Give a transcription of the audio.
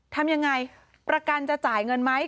ทำยังไงประกันจะจ่ายเงินไหม